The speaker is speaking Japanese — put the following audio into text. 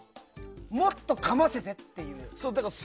もっとかませてっていう。